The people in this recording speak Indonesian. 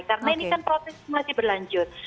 karena ini kan proses masih berlanjut